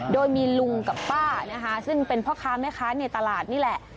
โดยมีลุงกับป้านะคะซึ่งเป็นพ่อค้าแม่ค้าในตลาดนี่แหละ